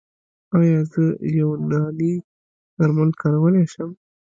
ایا زه یوناني درمل کارولی شم؟